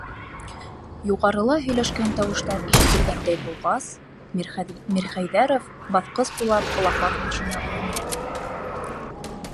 Юғарыла һөйләшкән тауыштар ишетелгәндәй булғас, Мирхәйҙәров баҫҡыс буйлап лапаҫ башына үрмәләне.